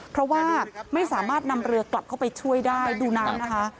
เพราะว่าไม่สามารถนำเรือกลับเข้าไปช่วยได้ดูน้ำนะคะ